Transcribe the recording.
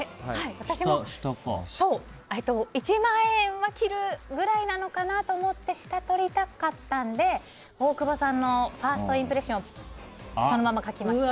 私も１万円は切るぐらいなのかなと思って下をとりたかったので大久保さんのファーストインプレッションをそのまま書きました。